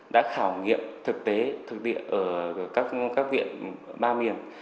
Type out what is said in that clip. đã khảo nghiệm thực tế thực địa ở các viện ba miền